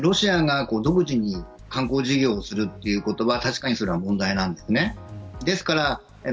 ロシアが独自に観光事業をするということは確かに、それは問題なんです。